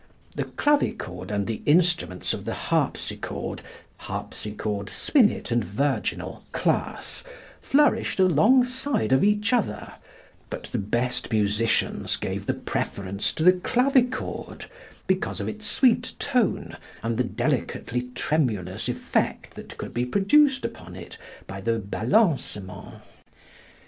The clavichord and the instruments of the harpsichord (harpsichord, spinet, and virginal) class flourished alongside of each other, but the best musicians gave the preference to the clavichord because of its sweet tone and the delicately tremulous effect that could be produced upon it by the balancement.